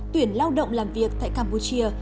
tuyển lao động làm việc tại campuchia